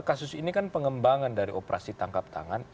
kasus ini kan pengembangan dari operasi tangkap tangan